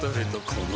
この